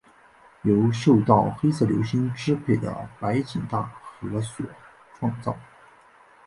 由受到黑色流星支配的白井大和所创造。